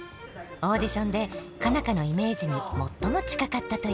オーディションで佳奈花のイメージに最も近かったという。